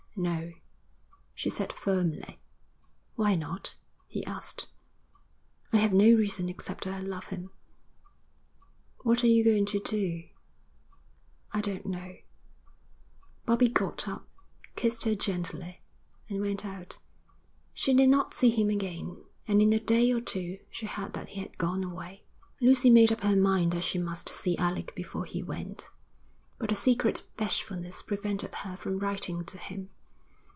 'No,' she said firmly. 'Why not?' he asked. 'I have no reason except that I love him.' 'What are you going to do?' 'I don't know.' Bobbie got up, kissed her gently, and went out. She did not see him again, and in a day or two she heard that he had gone away. Lucy made up her mind that she must see Alec before he went, but a secret bashfulness prevented her from writing to him.